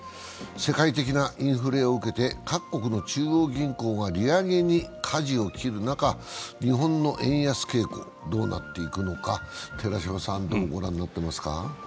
世界的なインフレを受けて各国の中央銀行が利上げにかじを切る中、日本の円安傾向どうなっていくのか、寺島さん、どう御覧になっていますか？